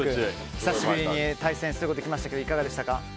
久しぶりに対戦することできましたけどいかがでしたか。